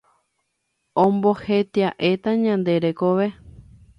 Ombohetia'éta ñande rekove